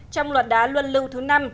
trong luật đá luân lưu thứ năm